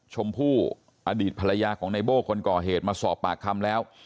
ชมพู่อดีตภรรยาของในโบ้คนก่อเหตุมาสอบปากคำแล้ว